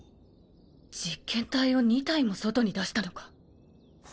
実験体を２体も外に出したのか。